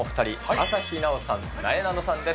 朝日奈央さん、なえなのさんです。